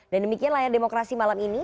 dan demikian layar demokrasi malam ini